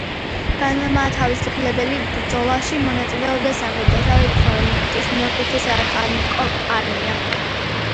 განმათავისუფლებელ ბრძოლაში მონაწილეობდა სამხრეთ-დასავლეთ ფრონტის მეხუთე სატანკო არმია.